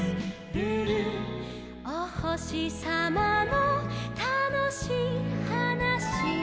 「おほしさまのたのしいはなし」